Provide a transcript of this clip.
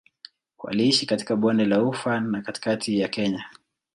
Waliishi katika Bonde la Ufa na katikati ya Kenya.